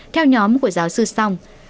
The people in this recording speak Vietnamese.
theo nhóm của giáo sư song